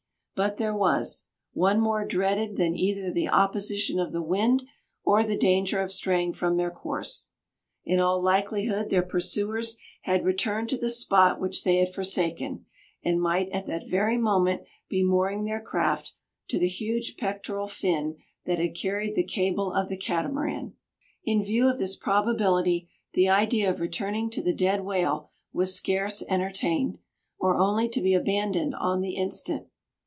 But there was, one more dreaded than either the opposition of the wind or the danger of straying from their course. In all likelihood their pursuers had returned to the spot which they had forsaken; and might at that very moment be mooring their craft to the huge pectoral fin that had carried the cable of the Catamaran. In view of this probability, the idea of returning to the dead whale was scarce entertained, or only to be abandoned on the instant.